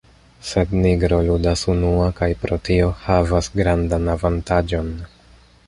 Sed Nigro ludas unua kaj pro tio havas grandan avantaĝon.